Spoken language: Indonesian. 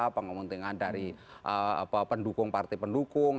ada mungkin kepentingan dari pendukung partai pendukung